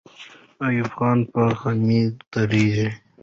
ایوب خان به خېمې دروي.